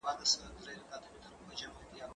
کېدای سي امادګي نيمګړی وي؟!